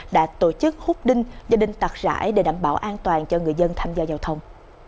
đã tổ chức hút đinh do đinh tạc rãi để đảm bảo an toàn cho người dân tham gia giao thông